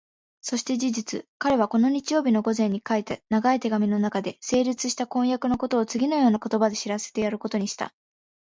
そして事実、彼はこの日曜日の午前に書いた長い手紙のなかで、成立した婚約のことをつぎのような言葉で知らせてやることにした。